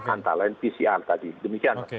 antara lain pcr tadi demikian